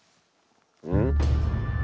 うん？